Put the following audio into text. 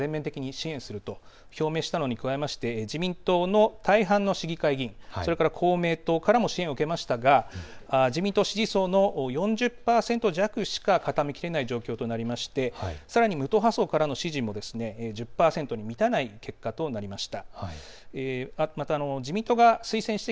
一方、小此木さんですけれども菅総理大臣が小此木さんを全面的に支援すると表明したのに加えまして自民党の大半の市議会議員それから公明党からも支援を受けましたが自民党支持層の４０％弱しか固めきれない状況となりましてさらに無党派層からの支持も１０％に満たない結果となりました。